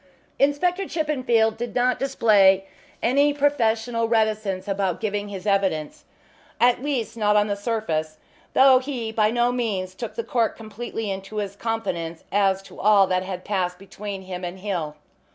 Inspector Chippenfield did not display any professional reticence about giving his evidence at least, not on the surface, though he by no means took the court completely into his confidence as to all that had passed between him and Hill.